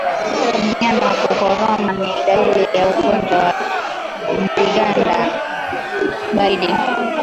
Mnyama kukoroma ni dalili za ugonjwa wa ndigana baridi